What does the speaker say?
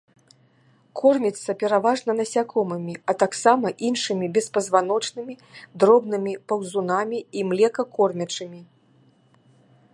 Корміцца пераважна насякомымі, а таксама іншымі беспазваночнымі, дробнымі паўзунамі і млекакормячымі.